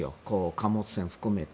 貨物船を含めて。